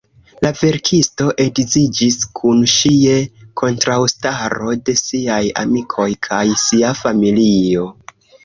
La verkisto edziĝis kun ŝi je kontraŭstaro de siaj amikoj kaj sia familio.